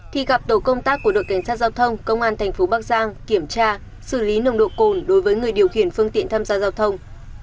thì gặp tổ công tác của đội cảnh sát giao thông công an thành phố bắc giang kiểm tra xử lý nồng độ cồn đối với người điều khiển phương tiện tham gia giao thông